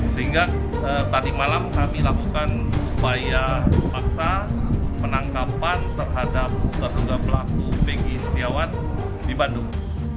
sehingga tadi malam kami lakukan upaya paksa penangkapan terhadap terduga pelaku penggi setiawan di bandung